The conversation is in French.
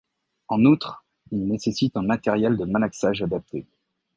En outre il nécessite un matériel de malaxage adapté.